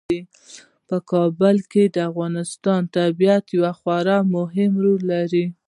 کابل د افغانستان په طبیعت کې یو خورا مهم رول لري.